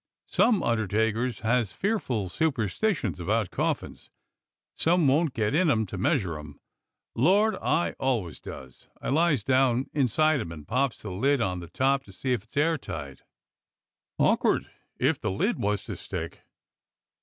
Some under takers has fearful superstitions about coffins. Some won't get in 'em to measure 'em. Lord! I always does. I lies down inside 'em and pops the lid on the top to see if it's airtight." "Awkward if the lid was to stick."